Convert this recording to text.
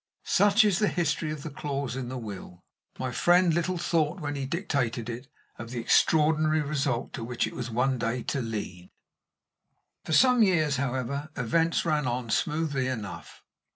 Such is the history of the clause in the will. My friend little thought, when he dictated it, of the extraordinary result to which it was one day to lead. For some years, however, events ran on smoothly enough.